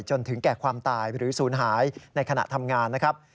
จนถึงแก่ความตายหรือศูนย์หายในขณะทำงานนะครับ